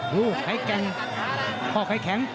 ดูไขแก่งข้อไขแข็ง